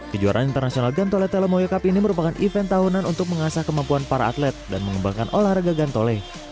kejuaraan internasional gantole telomoyo cup ini merupakan event tahunan untuk mengasah kemampuan para atlet dan mengembangkan olahraga gantole